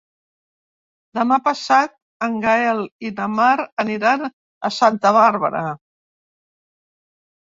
Demà passat en Gaël i na Mar aniran a Santa Bàrbara.